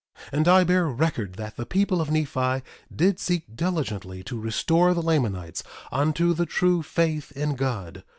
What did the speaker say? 1:20 And I bear record that the people of Nephi did seek diligently to restore the Lamanites unto the true faith in God.